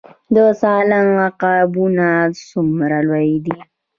د سالنګ عقابونه څومره لوی دي؟